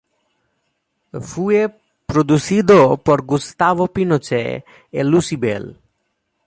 Fue producido por Gustavo Pinochet y Lucybell.